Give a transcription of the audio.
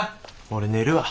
俺寝るわ。